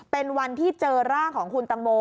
เป็นวันที่เจอร่างของคุณตังโม